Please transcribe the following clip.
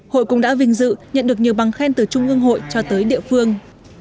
hội cũng đã vinh dự nhận được nhiều bằng khen từ trung ương hội cho tới địa phương